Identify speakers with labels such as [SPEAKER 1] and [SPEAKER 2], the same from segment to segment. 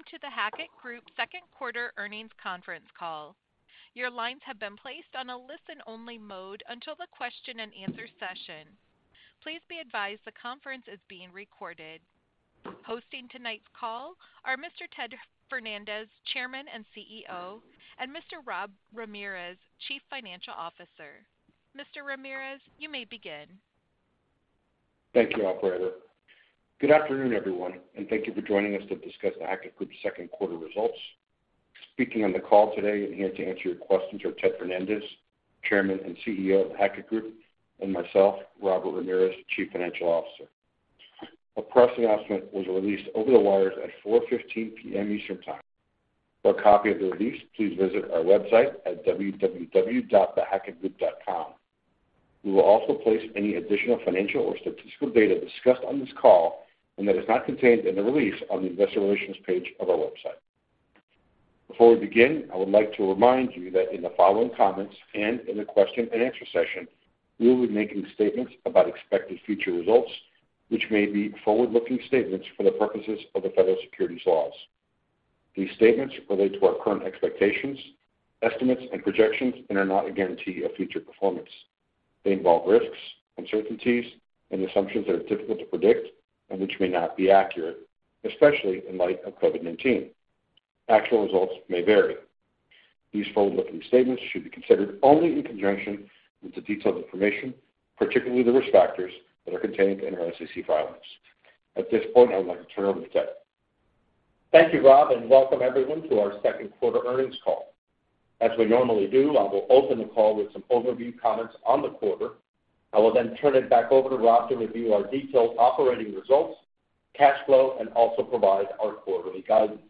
[SPEAKER 1] Welcome to The Hackett Group second quarter earnings conference call. Your lines have been placed on a listen-only mode until the question-and-answer session. Please be advised the conference is being recorded. Hosting tonight's call are Mr. Ted Fernandez, Chairman and CEO; and Mr. Rob Ramirez, Chief Financial Officer. Mr. Ramirez, you may begin.
[SPEAKER 2] Thank you, operator. Good afternoon, everyone, and thank you for joining us to discuss The Hackett Group second quarter results. Speaking on the call today and here to answer your questions are Ted Fernandez, Chairman and CEO of The Hackett Group, and myself, Robert Ramirez, Chief Financial Officer. A press announcement was released over the wires at 4:15 P.M. Eastern Time. For a copy of the release, please visit our website at www.thehackettgroup.com. We will also place any additional financial or statistical data discussed on this call and that is not contained in the release on the Investor Relations page of our website. Before we begin, I would like to remind you that in the following comments and in the question-and-answer session, we will be making statements about expected future results, which may be forward-looking statements for the purposes of the federal securities laws. These statements relate to our current expectations, estimates, and projections and are not a guarantee of future performance. They involve risks, uncertainties, and assumptions that are difficult to predict and which may not be accurate, especially in light of COVID-19. Actual results may vary. These forward-looking statements should be considered only in conjunction with the detailed information, particularly the risk factors, that are contained in our SEC filings. At this point, I would like to turn it over to Ted.
[SPEAKER 3] Thank you, Rob, and welcome everyone to our second quarter earnings call. As we normally do, I will open the call with some overview comments on the quarter. I will then turn it back over to Rob to review our detailed operating results, cash flow, and also provide our quarterly guidance.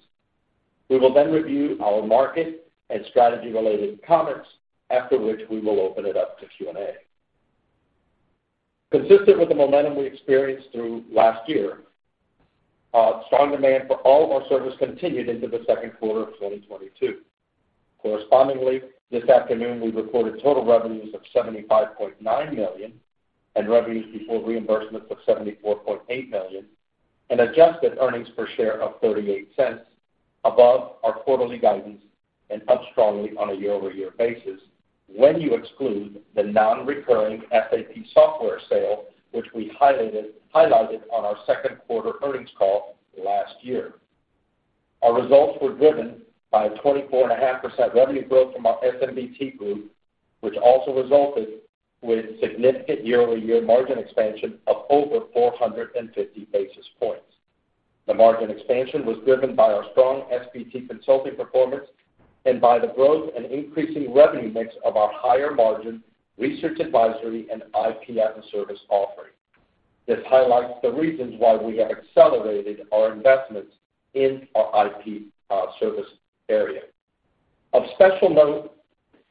[SPEAKER 3] We will then review our market and strategy-related comments, after which we will open it up to Q&A. Consistent with the momentum we experienced through last year, strong demand for all of our services continued into the second quarter of 2022. Correspondingly, this afternoon, we reported total revenues of $75.9 million and revenues before reimbursements of $74.8 million, an adjusted earnings per share of $0.38 above our quarterly guidance and up strongly on a year-over-year basis when you exclude the non-recurring SAP software sale, which we highlighted on our second quarter earnings call last year. Our results were driven by a 24.5% revenue growth from our S&BT Group, which also resulted with significant year-over-year margin expansion of over 450 basis points. The margin expansion was driven by our strong S&BT consulting performance and by the growth and increasing revenue mix of our higher margin research advisory and IP as a service offering. This highlights the reasons why we have accelerated our investments in our IP service area. Of special note,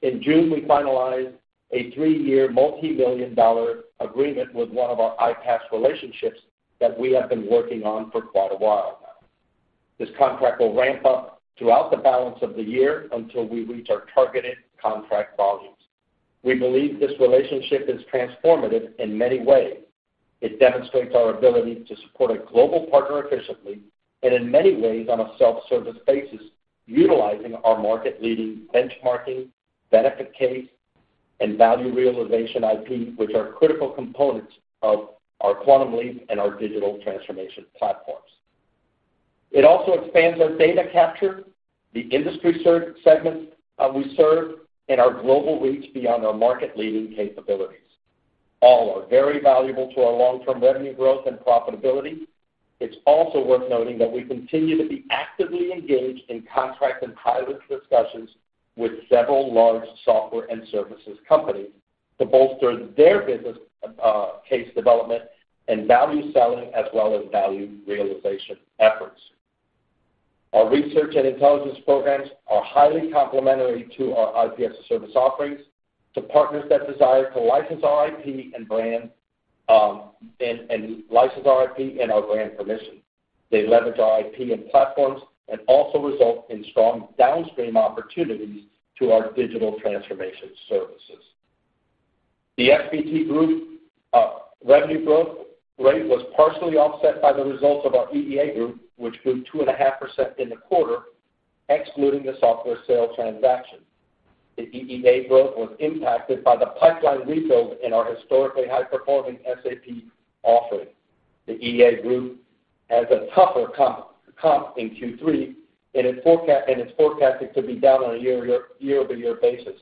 [SPEAKER 3] in June, we finalized a three-year multi-million dollar agreement with one of our IPaaS relationships that we have been working on for quite a while now. This contract will ramp up throughout the balance of the year until we reach our targeted contract volumes. We believe this relationship is transformative in many ways. It demonstrates our ability to support a global partner efficiently and in many ways on a self-service basis, utilizing our market-leading benchmarking, benefit case, and value realization IP, which are critical components of our Quantum Leap and our Digital Transformation Platforms. It also expands our data capture, the industry segments we serve, and our global reach beyond our market-leading capabilities. All are very valuable to our long-term revenue growth and profitability. It's also worth noting that we continue to be actively engaged in contract and pilot discussions with several large software and services companies to bolster their business case development and value selling as well as value realization efforts. Our research and intelligence programs are highly complementary to our IP as a service offerings to partners that desire to license our IP and our brand permission. They leverage our IP and platforms and also result in strong downstream opportunities to our digital transformation services. The S&BT Group revenue growth rate was partially offset by the results of our EEA Group, which grew 2.5% in the quarter, excluding the software sales transaction. The EEA growth was impacted by the pipeline rebuild in our historically high-performing SAP offering. The EEA Group has a tougher comp in Q3, and it's forecasted to be down on a year-over-year basis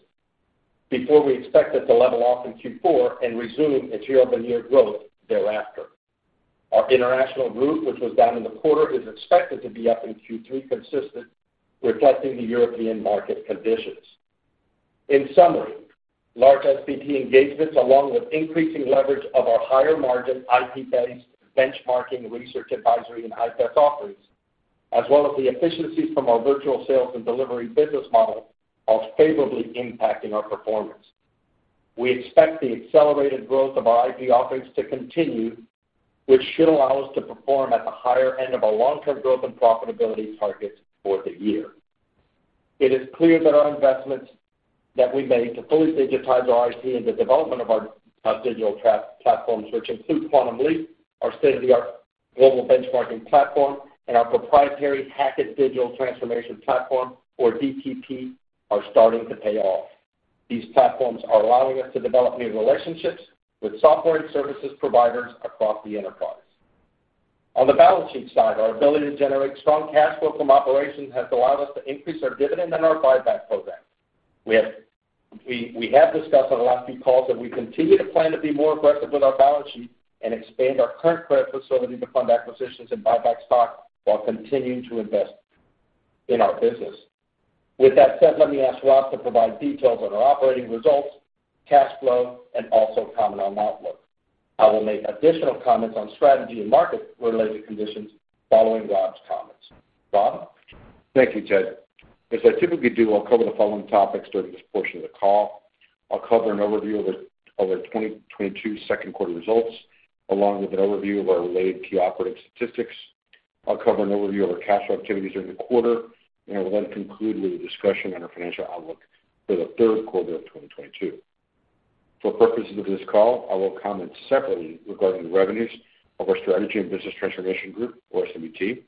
[SPEAKER 3] before we expect it to level off in Q4 and resume its year-over-year growth thereafter. International Group, which was down in the quarter, is expected to be up in Q3 consistent, reflecting the European market conditions. In summary, large S&BT engagements along with increasing leverage of our higher margin IP-based benchmarking research advisory and IPaaS offerings, as well as the efficiencies from our virtual sales and delivery business model are favorably impacting our performance. We expect the accelerated growth of our IP offerings to continue, which should allow us to perform at the higher end of our long-term growth and profitability targets for the year. It is clear that our investments that we made to fully digitize our IT and the development of our digital platforms, which include Quantum Leap, our state-of-the-art global benchmarking platform, and our proprietary Hackett Digital Transformation Platform or DTP, are starting to pay off. These platforms are allowing us to develop new relationships with software and services providers across the enterprise. On the balance sheet side, our ability to generate strong cash flow from operations has allowed us to increase our dividend and our buyback program. We have discussed on the last few calls that we continue to plan to be more aggressive with our balance sheet and expand our current credit facility to fund acquisitions and buy back stock while continuing to invest in our business. With that said, let me ask Rob to provide details on our operating results, cash flow, and also comment on outlook. I will make additional comments on strategy and market related conditions following Rob's comments. Rob?
[SPEAKER 2] Thank you, Ted. As I typically do, I'll cover the following topics during this portion of the call. I'll cover an overview of our 2022 second quarter results, along with an overview of our related key operating statistics. I'll cover an overview of our cash activities during the quarter, and I will then conclude with a discussion on our financial outlook for the third quarter of 2022. For purposes of this call, I will comment separately regarding the revenues of our Strategy & Business Transformation group or S&BT,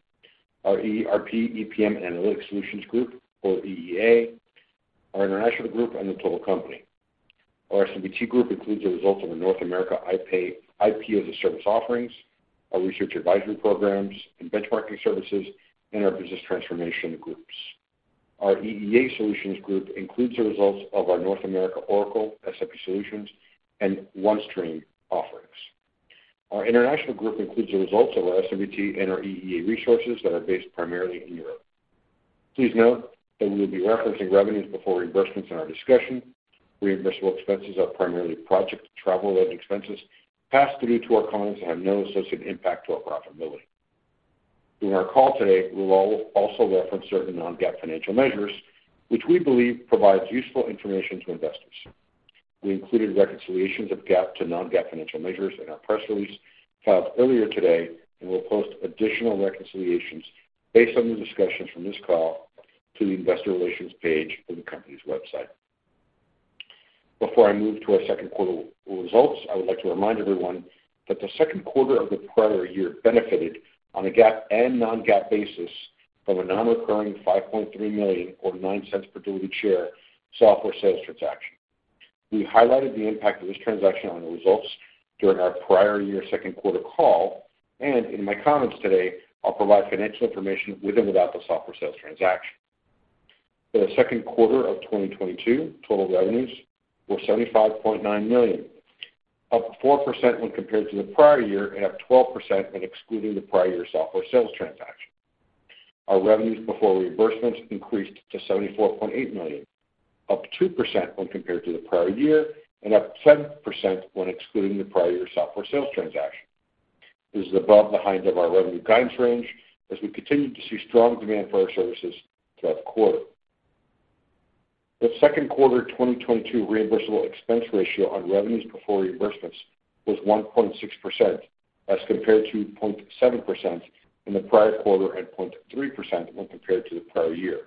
[SPEAKER 2] our ERP, EPM, and Analytic Solutions Group or EEA, International Group, and the total company. Our S&BT Group includes the results of the North America IP as a service offerings, our research advisory programs and benchmarking services, and our business transformation groups. Our EEA Solutions Group includes the results of our North America Oracle, SAP solutions and OneStream offerings. International Group includes the results of our S&BT and our EEA resources that are based primarily in Europe. Please note that we will be referencing revenues before reimbursements in our discussion. Reimbursable expenses are primarily project and travel-related expenses passed through to our clients and have no associated impact to our profitability. During our call today, we will also reference certain non-GAAP financial measures which we believe provides useful information to investors. We included reconciliations of GAAP to non-GAAP financial measures in our press release filed earlier today, and we'll post additional reconciliations based on the discussions from this call to the Investor Relations page on the company's website. Before I move to our second quarter results, I would like to remind everyone that the second quarter of the prior year benefited on a GAAP and non-GAAP basis from a non-recurring $5.3 million or $0.09 per diluted share software sales transaction. We highlighted the impact of this transaction on the results during our prior year second quarter call, and in my comments today, I'll provide financial information with and without the software sales transaction. For the second quarter of 2022, total revenues were $75.9 million, up 4% when compared to the prior year and up 12% when excluding the prior year software sales transaction. Our revenues before reimbursements increased to $74.8 million, up 2% when compared to the prior year and up 10% when excluding the prior year software sales transaction. This is above the high end of our revenue guidance range as we continued to see strong demand for our services throughout the quarter. The second quarter 2022 reimbursable expense ratio on revenues before reimbursements was 1.6% as compared to 0.7% in the prior quarter and 0.3% when compared to the prior year.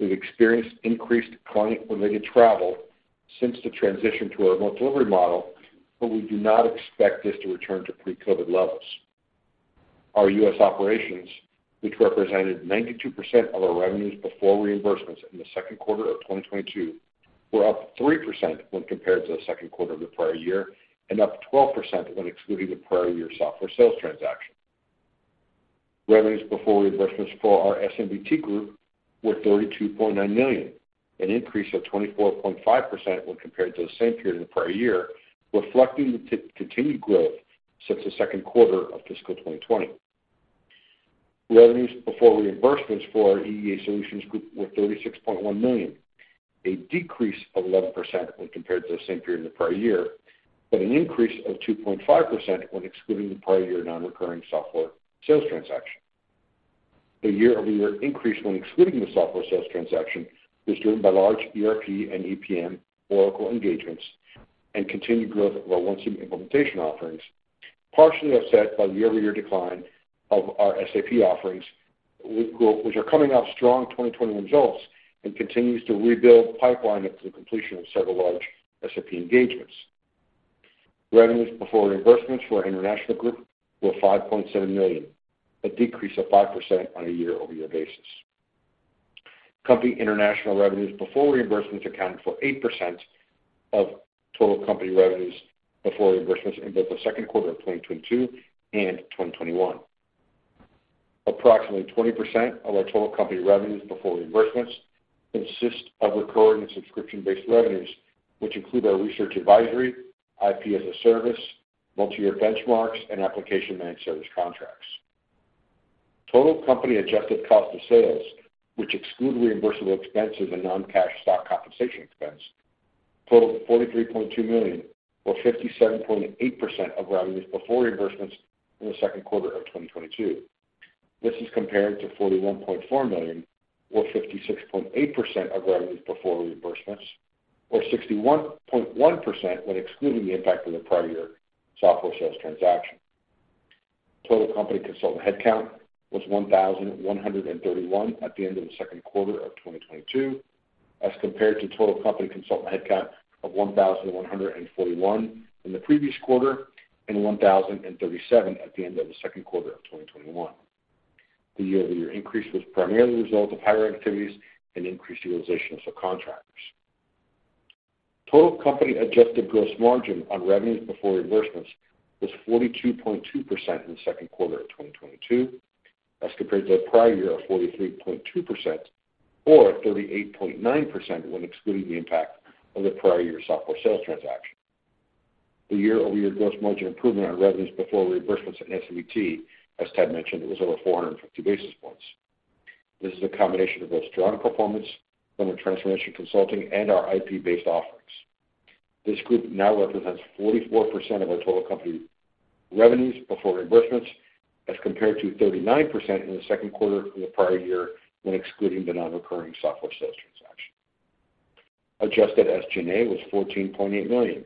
[SPEAKER 2] We've experienced increased client-related travel since the transition to our remote delivery model, but we do not expect this to return to pre-COVID levels. Our U.S. operations, which represented 92% of our revenues before reimbursements in the second quarter of 2022, were up 3% when compared to the second quarter of the prior year and up 12% when excluding the prior year software sales transaction. Revenues before reimbursements for our S&BT Group were $32.9 million, an increase of 24.5% when compared to the same period the prior year, reflecting the continued growth since the second quarter of fiscal 2020. Revenues before reimbursements for our EEA Solutions Group were $36.1 million, a decrease of 11% when compared to the same period in the prior year, but an increase of 2.5% when excluding the prior year non-recurring software sales transaction. The year-over-year increase when excluding the software sales transaction was driven by large ERP and EPM Oracle engagements and continued growth of our OneStream implementation offerings, partially offset by the year-over-year decline of our SAP offerings, which are coming off strong 2021 results and continues to rebuild pipeline after the completion of several large SAP engagements. Revenues before reimbursements for International Group were $5.7 million, a decrease of 5% on a year-over-year basis. Company international revenues before reimbursements accounted for 8% of total company revenues before reimbursements in both the second quarter of 2022 and 2021. Approximately 20% of our total company revenues before reimbursements consist of recurring and subscription-based revenues, which include our research advisory, IP as a service, multiyear benchmarks, and application management service contracts. Total company adjusted cost of sales, which exclude reimbursable expenses and non-cash stock compensation expense, totaled $43.2 million or 57.8% of revenues before reimbursements in the second quarter of 2022. This is compared to $41.4 million or 56.8% of revenues before reimbursements, or 61.1% when excluding the impact of the prior year software sales transaction. Total company consultant headcount was 1,131 at the end of the second quarter of 2022, as compared to total company consultant headcount of 1,141 in the previous quarter and 1,037 at the end of the second quarter of 2021. The year-over-year increase was primarily the result of higher activities and increased utilization of subcontractors. Total company adjusted gross margin on revenues before reimbursements was 42.2% in the second quarter of 2022, as compared to the prior year of 43.2%, or 38.9% when excluding the impact of the prior year software sales transaction. The year-over-year gross margin improvement on revenues before reimbursements at S&BT, as Ted mentioned, was over 450 basis points. This is a combination of both strong performance from our transformation consulting and our IP-based offerings. This group now represents 44% of our total company revenues before reimbursements as compared to 39% in the second quarter from the prior year, when excluding the non-recurring software sales transaction. Adjusted SG&A was $14.8 million,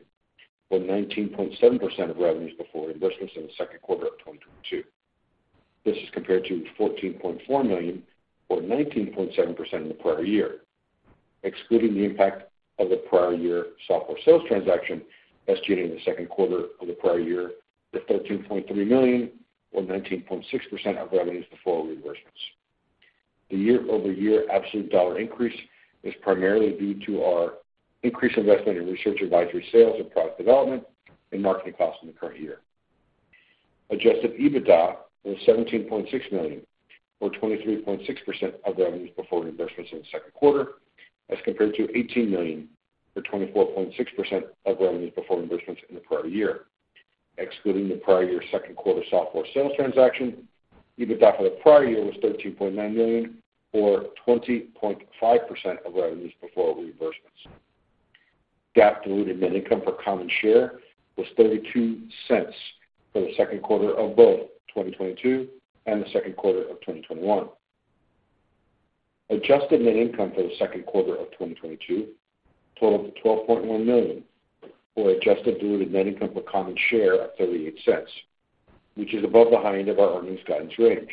[SPEAKER 2] or 19.7% of revenues before reimbursements in the second quarter of 2022. This is compared to $14.4 million, or 19.7% in the prior year. Excluding the impact of the prior year software sales transaction, SG&A in the second quarter of the prior year was $13.3 million, or 19.6% of revenues before reimbursements. The year-over-year absolute dollar increase is primarily due to our increased investment in research advisory sales and product development and marketing costs in the current Adjusted EBITDA was $17.6 million, or 23.6% of revenues before reimbursements in the second quarter, as compared to $18 million, or 24.6% of revenues before reimbursements in the prior year. Excluding the prior year second quarter software sales transaction, EBITDA for the prior year was $13.9 million or 20.5% of revenues before reimbursements. GAAP diluted net income per common share was $0.32 for the second quarter of both 2022 and the second quarter of 2021. Adjusted net income for the second quarter of 2022 totaled $12.1 million, or adjusted diluted net income per common share of $0.38, which is above the high end of our earnings guidance range.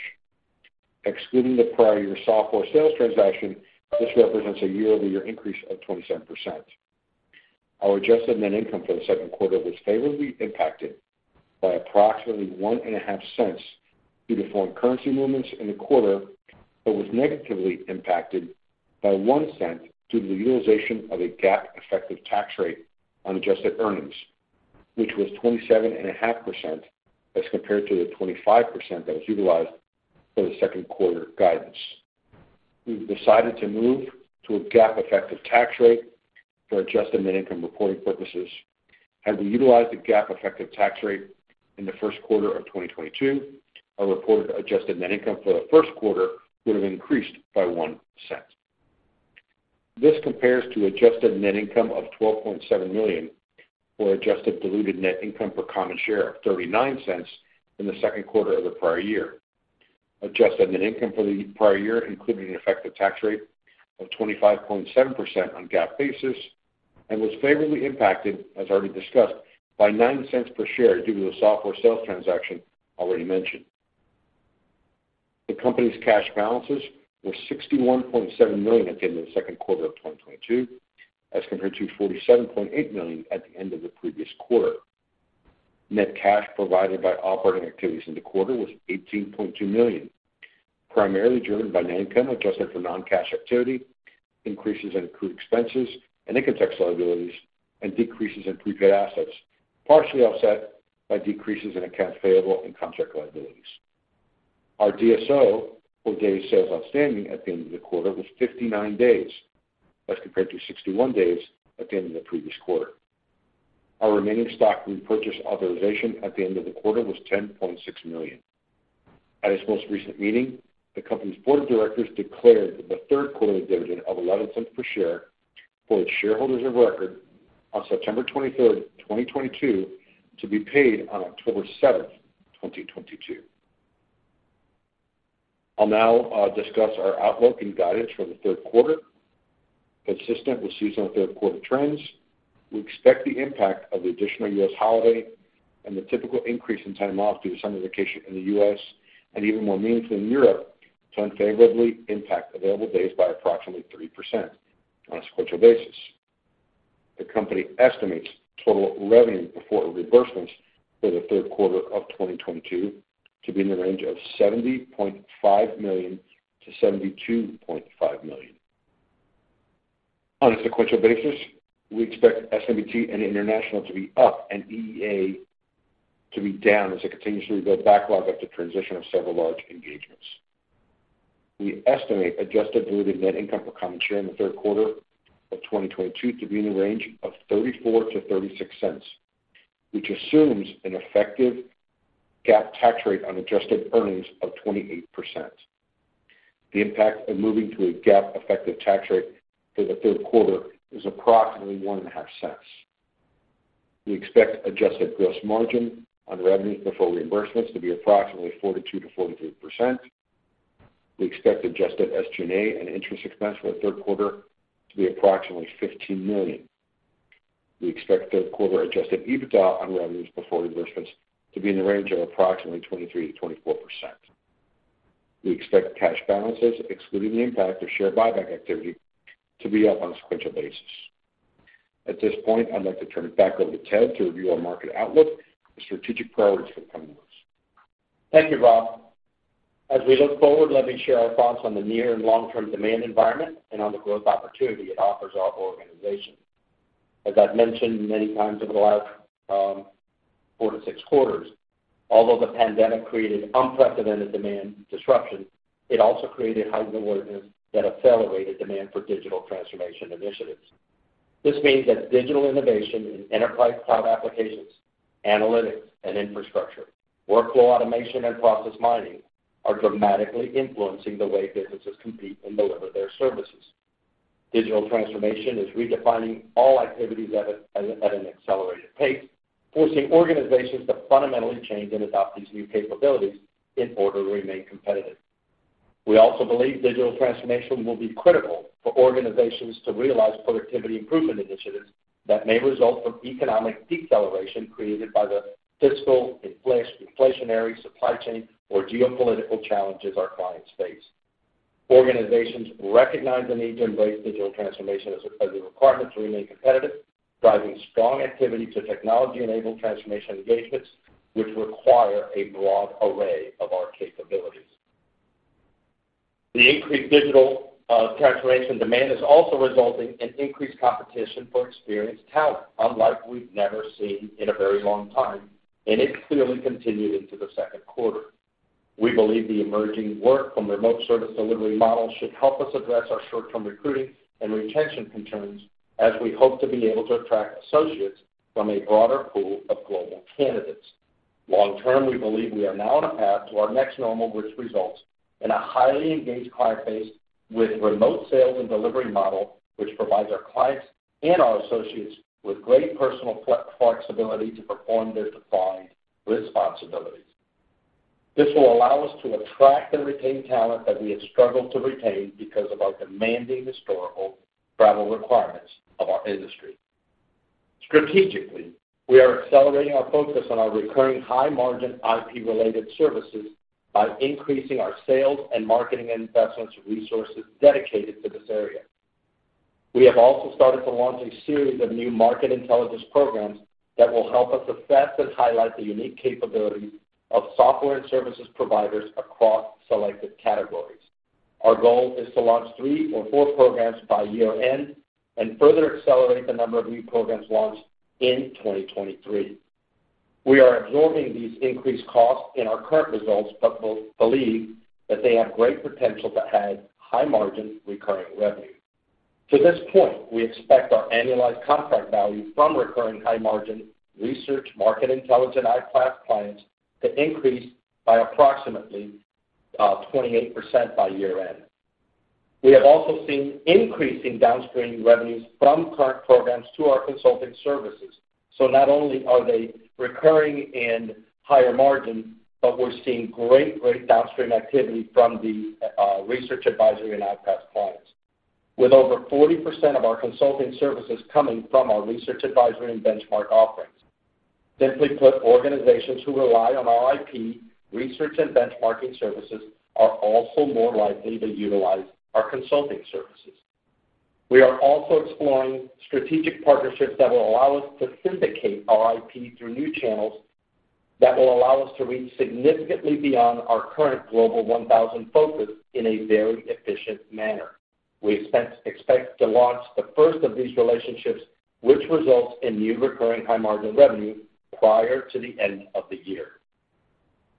[SPEAKER 2] Excluding the prior year software sales transaction, this represents a year-over-year increase of 27%. Our adjusted net income for the second quarter was favorably impacted by approximately $1.5 Due to foreign currency movements in the quarter, but was negatively impacted by one cent due to the utilization of a GAAP effective tax rate on adjusted earnings, which was 27.5% as compared to the 25% that was utilized for the second quarter guidance. We've decided to move to a GAAP effective tax rate for adjusted net income reporting purposes. Had we utilized a GAAP effective tax rate in the first quarter of 2022, our reported adjusted net income for the first quarter would have increased by $0.01. This compares to adjusted net income of $12.7 million or adjusted diluted net income per common share of $0.39 in the second quarter of the prior year. Adjusted net income for the prior year included an effective tax rate of 25.7% on GAAP basis and was favorably impacted, as already discussed, by $0.09 per share due to the software sales transaction already mentioned. The company's cash balances were $61.7 million at the end of the second quarter of 2022, as compared to $47.8 million at the end of the previous quarter. Net cash provided by operating activities in the quarter was $18.2 million, primarily driven by net income adjusted for non-cash activity, increases in accrued expenses and income tax liabilities, and decreases in prepaid assets, partially offset by decreases in accounts payable and contract liabilities. Our DSO or days sales outstanding at the end of the quarter was 59 days as compared to 61 days at the end of the previous quarter. Our remaining stock repurchase authorization at the end of the quarter was $10.6 million. At its most recent meeting, the company's board of directors declared the third quarter dividend of $0.11 per share for its shareholders of record on September 23, 2022, to be paid on October 7, 2022. I'll now discuss our outlook and guidance for the third quarter. Consistent with seasonal third quarter trends, we expect the impact of the additional U.S. holiday and the typical increase in time off due to summer vacation in the U.S. and even more meaningfully in Europe to unfavorably impact available days by approximately 3% on a sequential basis. The company estimates total revenue before reimbursements for the third quarter of 2022 to be in the range of $70.5 million-$72.5 million. On a sequential basis, we expect S&BT and International to be up and EEA to be down as it continues to rebuild backlog after transition of several large engagements. We estimate adjusted diluted net income per common share in the third quarter of 2022 to be in the range of $0.34-$0.36, which assumes an effective GAAP tax rate on adjusted earnings of 28%. The impact of moving to a GAAP effective tax rate for the third quarter is approximately $0.015. We expect adjusted gross margin on revenue before reimbursements to be approximately 42%-43%. We expect adjusted SG&A and interest expense for the third quarter to be approximately $15 million. We expect the Adjusted EBITDA on revenues before reimbursement to be in the range of approximately 23%-24%. We expect cash balances, excluding the impact of share buyback activity, to be up on a sequential basis. At this point, I'd like to turn it back over to Ted to review our market outlook and strategic priorities for the coming months.
[SPEAKER 3] Thank you, Rob. As we look forward, let me share our thoughts on the near and long-term demand environment and on the growth opportunity it offers our organization. As I've mentioned many times over the last four to six quarters, although the pandemic created unprecedented demand disruption, it also created heightened awareness that accelerated demand for digital transformation initiatives. This means that digital innovation in enterprise cloud applications, analytics and infrastructure, workflow automation, and process mining are dramatically influencing the way businesses compete and deliver their services. Digital transformation is redefining all activities at an accelerated pace, forcing organizations to fundamentally change and adopt these new capabilities in order to remain competitive. We also believe digital transformation will be critical for organizations to realize productivity improvement initiatives that may result from economic deceleration created by the fiscal, inflationary supply chain or geopolitical challenges our clients face. Organizations recognize the need to embrace digital transformation as a requirement to remain competitive, driving strong activity to technology-enabled transformation engagements, which require a broad array of our capabilities. The increased digital transformation demand is also resulting in increased competition for experienced talent, unlike we've never seen in a very long time, and it clearly continued into the second quarter. We believe the emerging work from remote service delivery model should help us address our short-term recruiting and retention concerns, as we hope to be able to attract associates from a broader pool of global candidates. Long term, we believe we are now on a path to our next normal, which results in a highly engaged client base with remote sales and delivery model, which provides our clients and our associates with great personal flexibility to perform their defined responsibilities. This will allow us to attract and retain talent that we have struggled to retain because of our demanding historical travel requirements of our industry. Strategically, we are accelerating our focus on our recurring high-margin IP-related services by increasing our sales and marketing investment resources dedicated to this area. We have also started to launch a series of new market intelligence programs that will help us assess and highlight the unique capabilities of software and services providers across selected categories. Our goal is to launch three or four programs by year-end and further accelerate the number of new programs launched in 2023. We are absorbing these increased costs in our current results, but believe that they have great potential to add high-margin recurring revenue. To this point, we expect our annualized contract value from recurring high-margin research, market intelligence, and IPaaS clients to increase by approximately 28% by year-end. We have also seen increasing downstream revenues from current programs to our consulting services. Not only are they recurring and higher margin, but we're seeing great downstream activity from the research advisory and IPaaS clients, with over 40% of our consulting services coming from our research advisory and benchmark offerings. Simply put, organizations who rely on our IP, research, and benchmarking services are also more likely to utilize our consulting services. We are also exploring strategic partnerships that will allow us to syndicate our IP through new channels that will allow us to reach significantly beyond our current Global 1000 focus in a very efficient manner. We expect to launch the first of these relationships, which results in new recurring high-margin revenue prior to the end of the year.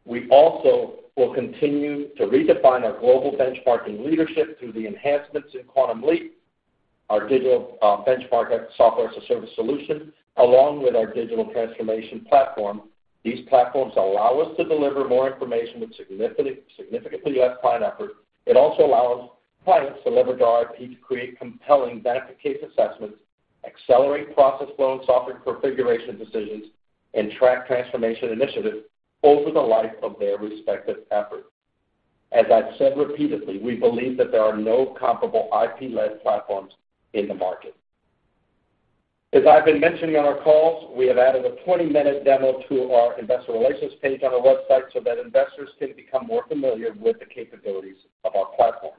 [SPEAKER 3] We also will continue to redefine our global benchmarking leadership through the enhancements in Quantum Leap, our digital benchmark Software-as-a-Service solution, along with our digital transformation platform. These platforms allow us to deliver more information with significantly less client effort. It also allows clients to leverage our IP to create compelling benefit case assessments, accelerate process flow and software configuration decisions, and track transformation initiatives over the life of their respective efforts. As I've said repeatedly, we believe that there are no comparable IP-led platforms in the market. As I've been mentioning on our calls, we have added a 20-minute demo to our Investor Relations page on our website so that investors can become more familiar with the capabilities of our platforms.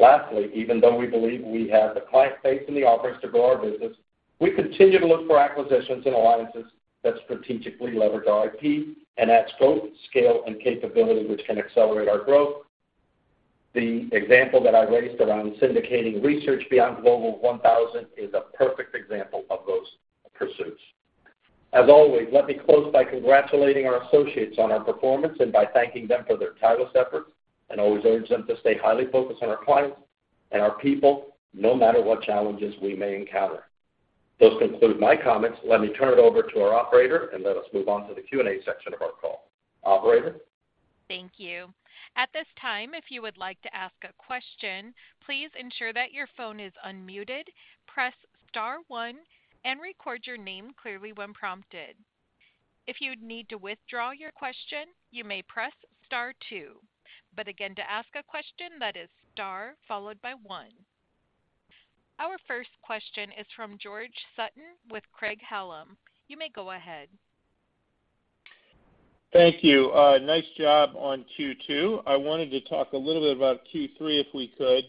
[SPEAKER 3] Lastly, even though we believe we have the client base and the offerings to grow our business, we continue to look for acquisitions and alliances that strategically leverage our IP and add scope, scale, and capability which can accelerate our growth. The example that I raised around syndicating research beyond Global 1000 is a perfect example of those pursuits. As always, let me close by congratulating our associates on our performance and by thanking them for their tireless efforts and always urge them to stay highly focused on our clients and our people, no matter what challenges we may encounter. Those conclude my comments. Let me turn it over to our operator and let us move on to the Q&A section of our call. Operator?
[SPEAKER 1] Thank you. At this time, if you would like to ask a question, please ensure that your phone is unmuted, press star one, and record your name clearly when prompted. If you need to withdraw your question, you may press star two. Again, to ask a question, that is star followed by one. Our first question is from George Sutton with Craig-Hallum. You may go ahead.
[SPEAKER 4] Thank you. Nice job on Q2. I wanted to talk a little bit about Q3, if we could.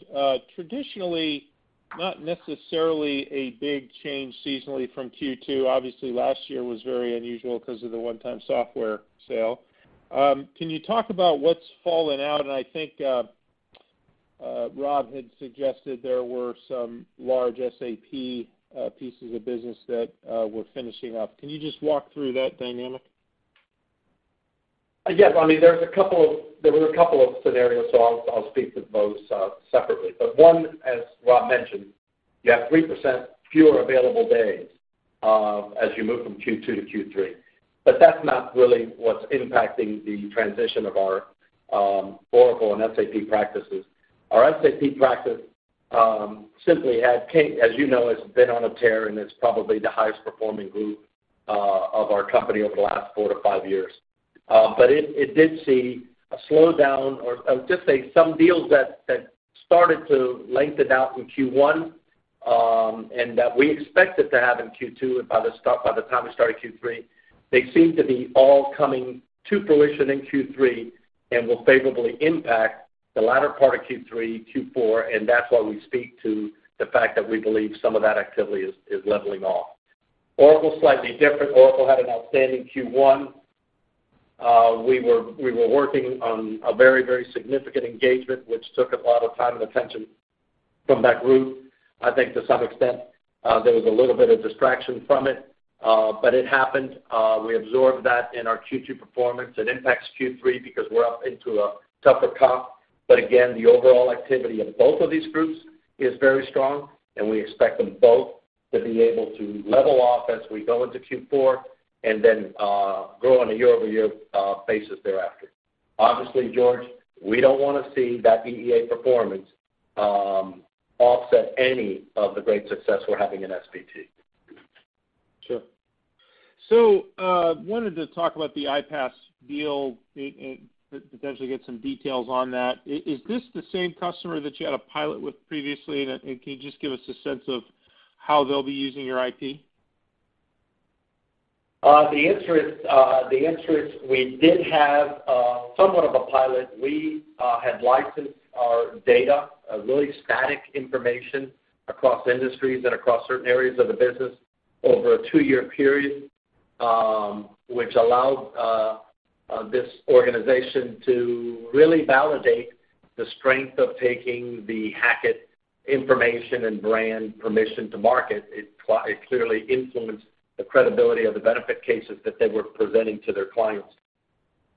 [SPEAKER 4] Traditionally, not necessarily a big change seasonally from Q2. Obviously, last year was very unusual because of the one-time software sale. Can you talk about what's fallen out? I think Rob had suggested there were some large SAP pieces of business that we're finishing up. Can you just walk through that dynamic?
[SPEAKER 3] Yes. I mean, there were a couple of scenarios, so I'll speak to those separately. One, as Rob mentioned, you have 3% fewer available days as you move from Q2 to Q3. That's not really what's impacting the transition of our Oracle and SAP practices. Our SAP practice simply, as you know, has been on a tear, and it's probably the highest performing group of our company over the last four to five years. It did see a slowdown or, I'll just say some deals that started to lengthen out in Q1, and that we expected to have in Q2 and by the time we started Q3, they seem to be all coming to fruition in Q3 and will favorably impact the latter part of Q3, Q4, and that's why we speak to the fact that we believe some of that activity is leveling off. Oracle, slightly different. Oracle had an outstanding Q1. We were working on a very, very significant engagement, which took a lot of time and attention from that group. I think to some extent, there was a little bit of distraction from it, but it happened. We absorbed that in our Q2 performance. It impacts Q3 because we're up into a tougher comp. Again, the overall activity of both of these groups is very strong, and we expect them both to be able to level off as we go into Q4 and then grow on a year-over-year basis thereafter. Obviously, George, we don't wanna see that EEA performance offset any of the great success we're having in S&BT.
[SPEAKER 4] Sure. Wanted to talk about the IPaaS deal and potentially get some details on that. Is this the same customer that you had a pilot with previously? Can you just give us a sense of how they'll be using your IP?
[SPEAKER 3] The answer is we did have somewhat of a pilot. We had licensed our data, really static information across industries and across certain areas of the business over a two-year period, which allowed this organization to really validate the strength of taking the Hackett information and brand, permission to market. It clearly influenced the credibility of the benefit cases that they were presenting to their clients.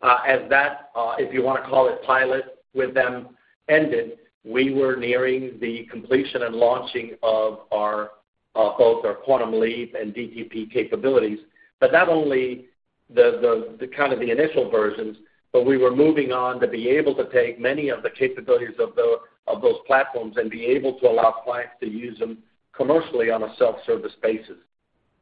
[SPEAKER 3] As that, if you wanna call it, pilot with them ended, we were nearing the completion and launching of both our Quantum Leap and DTP capabilities. Not only the initial versions, but we were moving on to be able to take many of the capabilities of those platforms and be able to allow clients to use them commercially on a self-service basis.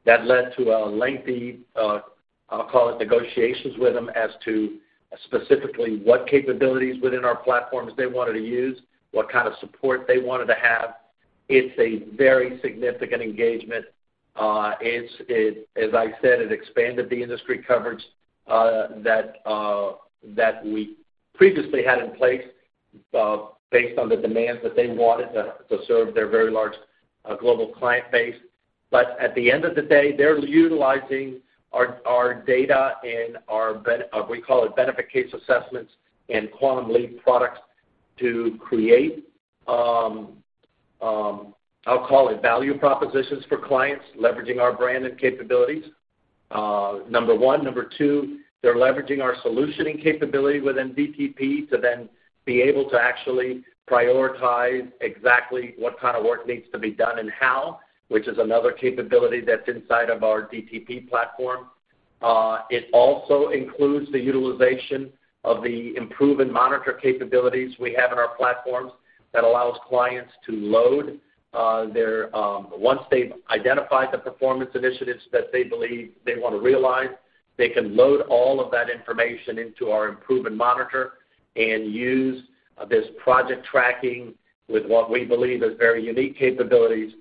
[SPEAKER 3] That led to a lengthy, I'll call it negotiations with them as to specifically what capabilities within our platforms they wanted to use, what kind of support they wanted to have. It's a very significant engagement. As I said, it expanded the industry coverage that we previously had in place based on the demands that they wanted to serve their very large global client base. At the end of the day, they're utilizing our data and our benefit case assessments and Quantum Leap products to create, I'll call it value propositions for clients, leveraging our brand and capabilities, number one. Number two, they're leveraging our solutioning capability within DTP to then be able to actually prioritize exactly what kind of work needs to be done and how, which is another capability that's inside of our DTP platform. It also includes the utilization of the improve and monitor capabilities we have in our platforms that allows clients to, once they've identified the performance initiatives that they believe they wanna realize, load all of that information into our improve and monitor and use this project tracking with what we believe is very unique capabilities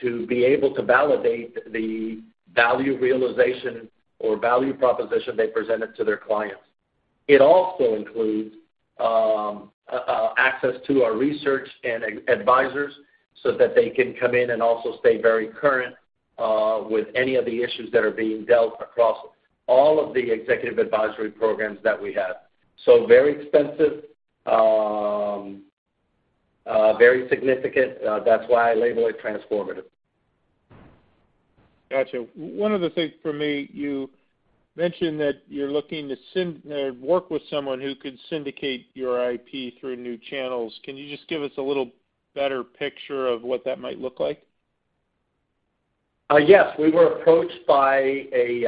[SPEAKER 3] to be able to validate the value realization or value proposition they presented to their clients. It also includes access to our research and advisors so that they can come in and also stay very current with any of the issues that are being dealt across all of the executive advisory programs that we have. Very expensive, very significant. That's why I label it transformative.
[SPEAKER 4] Gotcha. One other thing for me, you mentioned that you're looking to work with someone who could syndicate your IP through new channels. Can you just give us a little better picture of what that might look like?
[SPEAKER 3] Yes. We were approached by a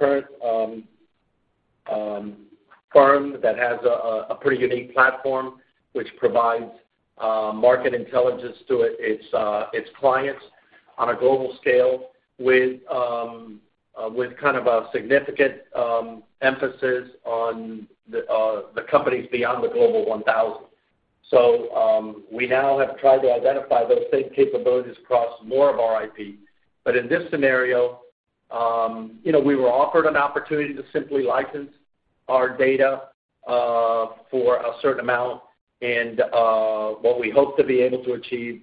[SPEAKER 3] current firm that has a pretty unique platform which provides market intelligence to its clients on a global scale with kind of a significant emphasis on the companies beyond the Global 1000. We now have tried to identify those same capabilities across more of our IP. In this scenario, you know, we were offered an opportunity to simply license our data for a certain amount. What we hope to be able to achieve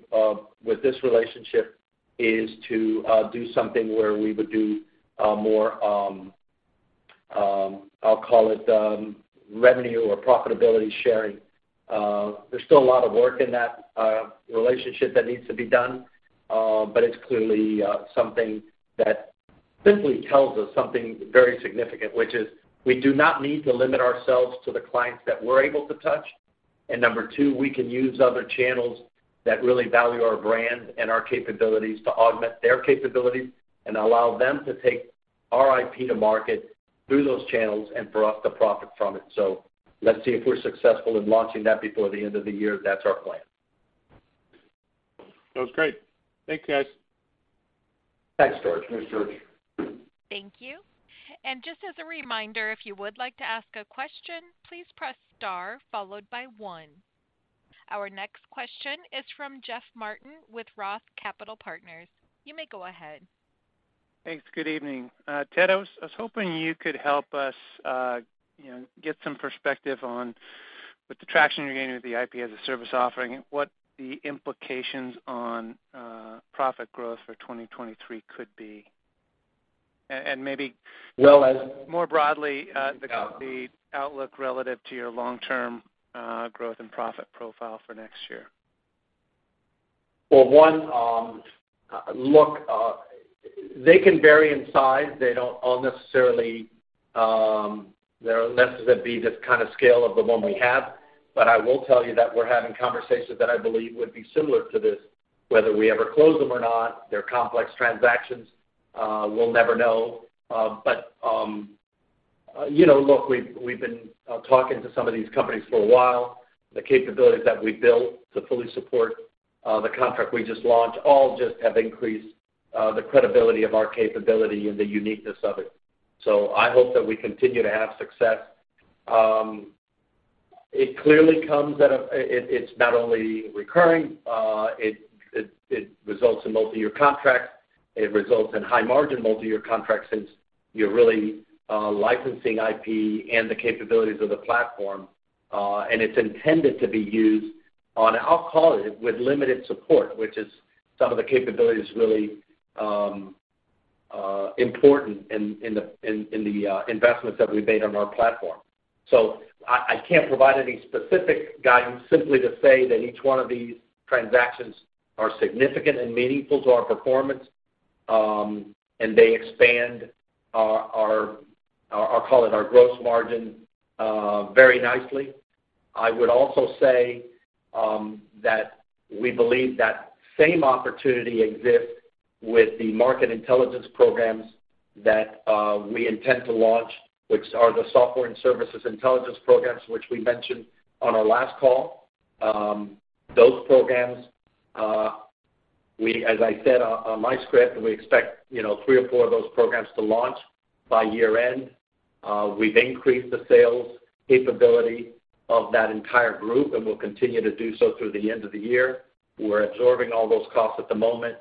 [SPEAKER 3] with this relationship is to do something where we would do more. I'll call it revenue or profitability sharing. There's still a lot of work in that relationship that needs to be done. It's clearly something that simply tells us something very significant, which is we do not need to limit ourselves to the clients that we're able to touch. Number two, we can use other channels that really value our brand and our capabilities to augment their capabilities and allow them to take our IP to market through those channels and for us to profit from it. Let's see if we're successful in launching that before the end of the year. That's our plan.
[SPEAKER 4] That was great. Thank you, guys.
[SPEAKER 3] Thanks, George.
[SPEAKER 2] Thanks, George.
[SPEAKER 1] Thank you. Just as a reminder, if you would like to ask a question, please press star followed by one. Our next question is from Jeff Martin with ROTH Capital Partners. You may go ahead.
[SPEAKER 5] Thanks. Good evening. Ted, I was hoping you could help us, you know, get some perspective on with the traction you're getting with the IP as a service offering, what the implications on profit growth for 2023 could be.
[SPEAKER 3] Well.
[SPEAKER 5] More broadly, the outlook relative to your long-term growth and profit profile for next year.
[SPEAKER 3] Well, one, look, they can vary in size. They don't all necessarily, they're less likely to be the kind of scale of the one we have. I will tell you that we're having conversations that I believe would be similar to this, whether we ever close them or not. They're complex transactions. We'll never know. You know, look, we've been talking to some of these companies for a while. The capabilities that we built to fully support the contract we just launched all just have increased the credibility of our capability and the uniqueness of it. I hope that we continue to have success. It's not only recurring, it results in multi-year contracts. It results in high margin multi-year contracts, since you're really licensing IP and the capabilities of the platform. It's intended to be used on, I'll call it, with limited support, which is some of the capabilities really important in the investments that we've made on our platform. I can't provide any specific guidance simply to say that each one of these transactions are significant and meaningful to our performance, and they expand our call it, our gross margin very nicely. I would also say that we believe that same opportunity exists with the market intelligence programs that we intend to launch, which are the software and services intelligence programs, which we mentioned on our last call. Those programs, as I said on my script, we expect, you know, three or four of those programs to launch by year-end. We've increased the sales capability of that entire group, and we'll continue to do so through the end of the year. We're absorbing all those costs at the moment.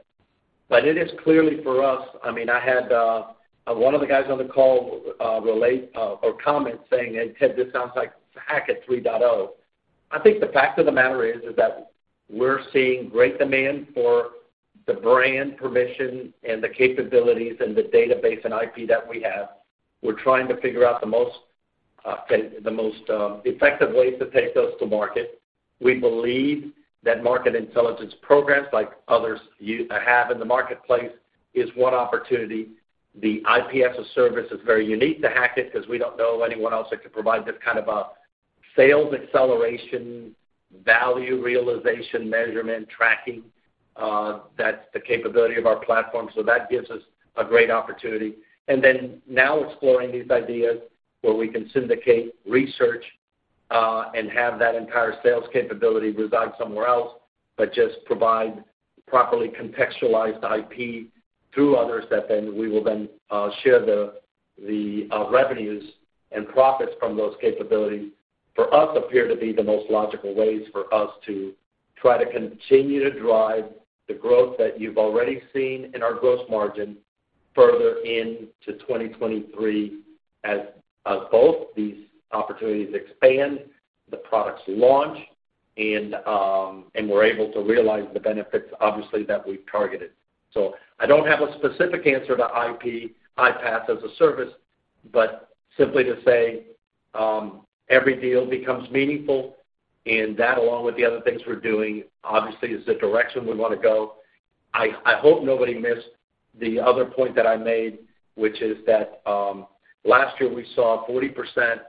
[SPEAKER 3] It is clearly for us, I mean, I had one of the guys on the call relate or comment saying, "Hey, Ted, this sounds like Hackett 3.0." I think the fact of the matter is that we're seeing great demand for the brand permission and the capabilities and the database and IP that we have. We're trying to figure out the most effective ways to take those to market. We believe that market intelligence programs like others have in the marketplace is one opportunity. The IP as a service is very unique to Hackett because we don't know anyone else that can provide this kind of a sales acceleration, value realization, measurement, tracking, that's the capability of our platform. That gives us a great opportunity. Now exploring these ideas where we can syndicate research and have that entire sales capability reside somewhere else, but just provide properly contextualized IP through others that then we will share the revenues and profits from those capabilities. For us, appear to be the most logical ways for us to try to continue to drive the growth that you've already seen in our gross margin further into 2023 as both these opportunities expand, the products launch, and we're able to realize the benefits obviously that we've targeted. I don't have a specific answer to IPaaS as a service, but simply to say, every deal becomes meaningful and that along with the other things we're doing obviously is the direction we wanna go. I hope nobody missed the other point that I made, which is that, last year we saw 40% of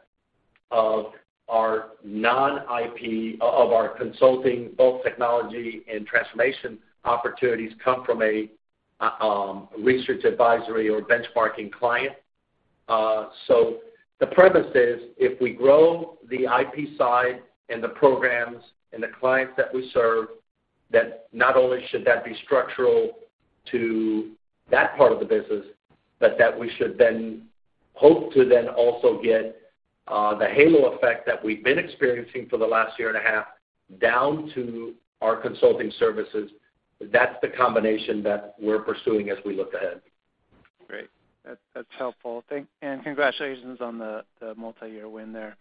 [SPEAKER 3] our non-IP of our consulting, both technology and transformation opportunities come from a research advisory or benchmarking client. The premise is if we grow the IP side and the programs and the clients that we serve, that not only should that be structural to that part of the business, but that we should then hope to then also get the halo effect that we've been experiencing for the last year and a half down to our consulting services. That's the combination that we're pursuing as we look ahead.
[SPEAKER 5] Great. That's helpful. Thanks and congratulations on the multiyear win there.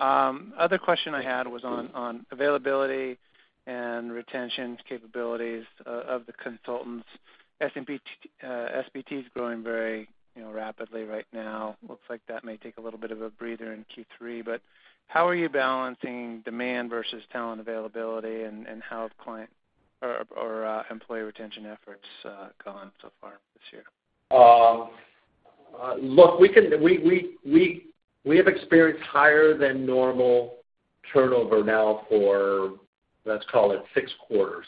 [SPEAKER 5] Other question I had was on availability and retention capabilities of the consultants. S&BT is growing very rapidly right now. Looks like that may take a little bit of a breather in Q3, but how are you balancing demand versus talent availability, and how have employee retention efforts gone so far this year?
[SPEAKER 3] Look, we have experienced higher than normal turnover now for, let's call it six quarters.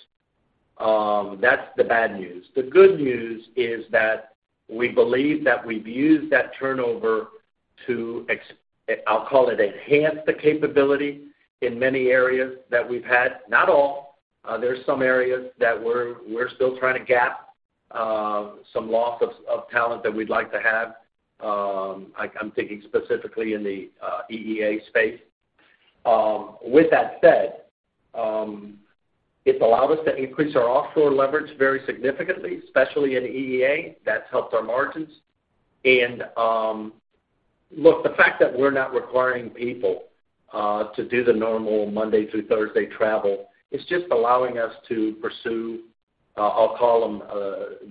[SPEAKER 3] That's the bad news. The good news is that we believe that we've used that turnover to I'll call it enhance the capability in many areas that we've had. Not all. There's some areas that we're still trying to gap some loss of talent that we'd like to have. I'm thinking specifically in the EEA space. With that said, it's allowed us to increase our offshore leverage very significantly, especially in EEA. That's helped our margins. Look, the fact that we're not requiring people to do the normal Monday through Thursday travel, it's just allowing us to pursue, I'll call them,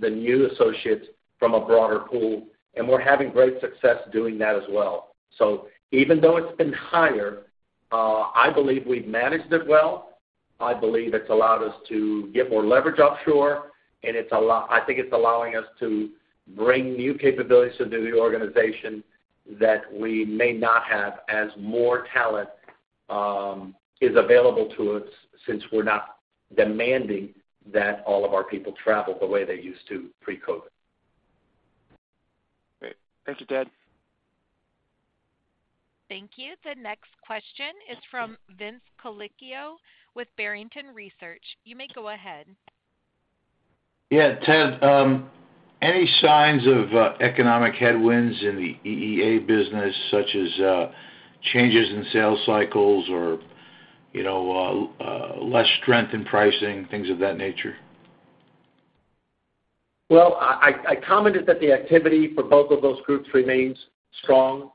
[SPEAKER 3] the new associates from a broader pool, and we're having great success doing that as well. So even though it's been higher, I believe we've managed it well. I believe it's allowed us to get more leverage offshore, and I think it's allowing us to bring new capabilities into the organization that we may not have, as more talent is available to us since we're not demanding that all of our people travel the way they used to pre-COVID.
[SPEAKER 5] Great. Thank you, Ted.
[SPEAKER 1] Thank you. The next question is from Vince Colicchio with Barrington Research. You may go ahead.
[SPEAKER 6] Yeah. Ted, any signs of economic headwinds in the EEA business, such as changes in sales cycles or, you know, less strength in pricing, things of that nature?
[SPEAKER 3] Well, I commented that the activity for both of those groups remains strong.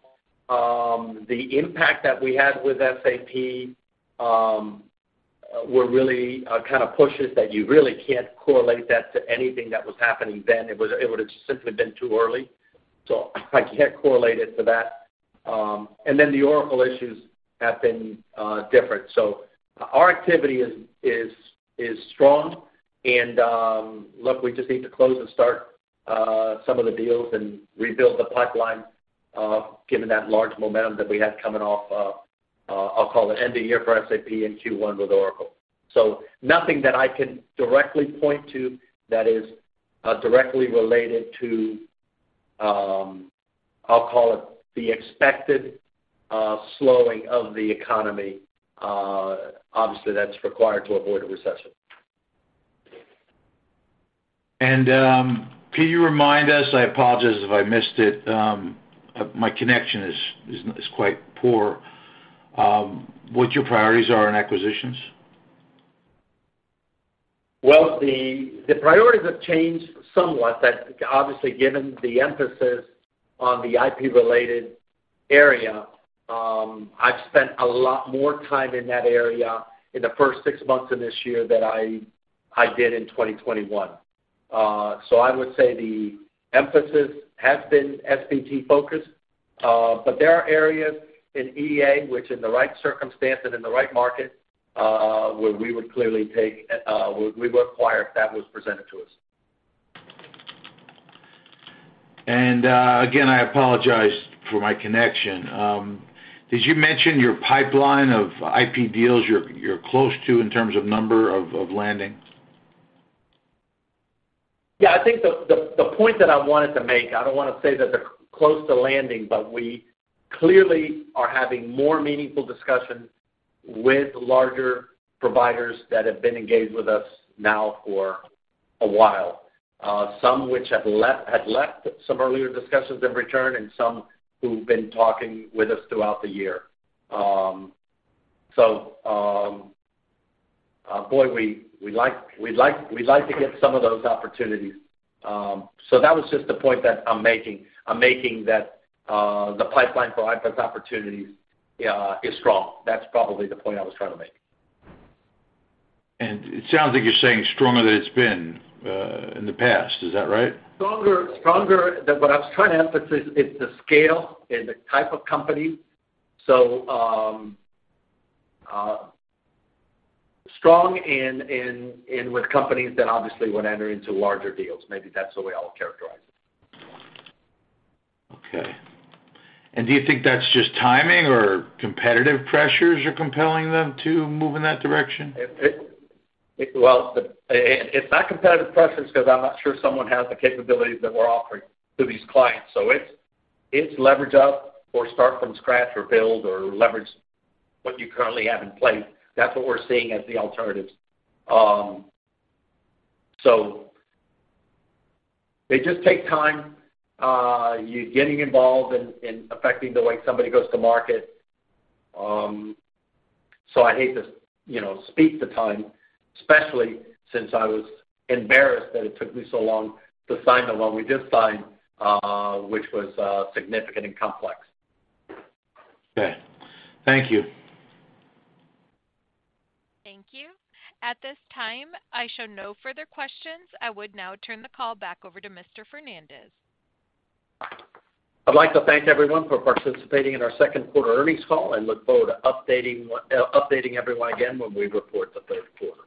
[SPEAKER 3] The impact that we had with SAP were really kind of pushes that you really can't correlate that to anything that was happening then. It would've simply been too early, so I can't correlate it to that. And then the Oracle issues have been different. Our activity is strong and, look, we just need to close and start some of the deals and rebuild the pipeline, given that large momentum that we had coming off, I'll call it ending year for SAP and Q1 with Oracle. Nothing that I can directly point to that is directly related to, I'll call it the expected slowing of the economy, obviously that's required to avoid a recession.
[SPEAKER 6] Can you remind us? I apologize if I missed it. My connection is quite poor. What are your priorities in acquisitions?
[SPEAKER 3] Well, the priorities have changed somewhat, that obviously, given the emphasis on the IP-related area, I've spent a lot more time in that area in the first six months of this year than I did in 2021. I would say the emphasis has been S&BT focused. There are areas in EEA which, in the right circumstance and in the right market, where we would clearly acquire if that was presented to us.
[SPEAKER 6] Again, I apologize for my connection. Did you mention your pipeline of IP deals you're close to in terms of number of landing?
[SPEAKER 3] Yeah. I think the point that I wanted to make. I don't wanna say that they're close to landing, but we clearly are having more meaningful discussions with larger providers that have been engaged with us now for a while, some which had left some earlier discussions and returned, and some who've been talking with us throughout the year. Boy, we'd like to get some of those opportunities. That was just the point that I'm making, that the pipeline for IP opportunities is strong. That's probably the point I was trying to make.
[SPEAKER 6] It sounds like you're saying stronger than it's been in the past. Is that right?
[SPEAKER 3] What I was trying to emphasize is the scale and the type of company. Strong in with companies that obviously would enter into larger deals. Maybe that's the way I'll characterize it.
[SPEAKER 6] Okay. Do you think that's just timing or competitive pressures are compelling them to move in that direction?
[SPEAKER 3] Well, it's not competitive pressures because I'm not sure someone has the capabilities that we're offering to these clients. It's leverage up or start from scratch or build or leverage what you currently have in place. That's what we're seeing as the alternatives. They just take time getting involved in affecting the way somebody goes to market. I hate to, you know, speak to time, especially since I was embarrassed that it took me so long to sign the one we did sign, which was significant and complex.
[SPEAKER 6] Okay. Thank you.
[SPEAKER 1] Thank you. At this time, I show no further questions. I would now turn the call back over to Mr. Fernandez.
[SPEAKER 3] I'd like to thank everyone for participating in our second quarter earnings call and look forward to updating everyone again when we report the third quarter.